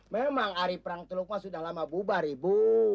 memang hari perang teluk ma sudah lama berubah ibu